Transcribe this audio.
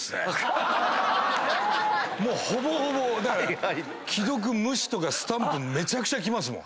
ほぼほぼ「既読無視」とかスタンプめちゃくちゃ来ますもん。